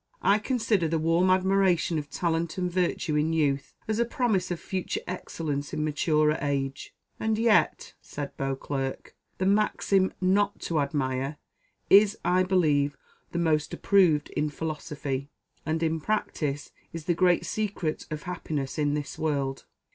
"I consider the warm admiration of talent and virtue in youth as a promise of future excellence in maturer age." "And yet," said Beauclerc, "the maxim 'not to admire,' is, I believe, the most approved in philosophy, and in practice is the great secret of happiness in this world."